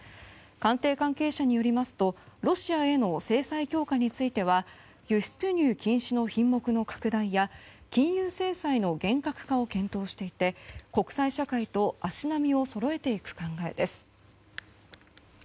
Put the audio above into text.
官邸関係者によりますとロシアへの制裁強化については輸出入禁止の品目の拡大や金融制裁の厳格化を検討していて国際社会と足並みをそろえていく考えです。